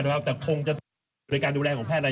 เพราะว่าดีที่สุดที่เพอร์เฟคที่สุดที่ทุกคนปลอดภัย